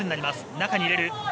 中に入れる。